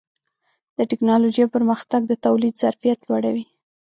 د ټکنالوجۍ پرمختګ د تولید ظرفیت لوړوي.